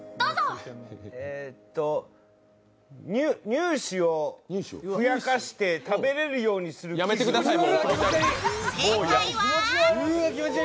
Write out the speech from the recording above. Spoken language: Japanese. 乳歯をふやかして食べれるようにするやめてください！